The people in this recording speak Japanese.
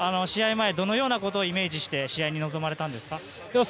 前どのようなことをイメージして試合に臨まれたんですか？